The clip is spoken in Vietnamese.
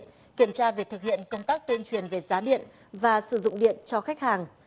đoàn sẽ kiểm tra việc thực hiện công tác tên truyền về giá điện và sử dụng điện cho khách hàng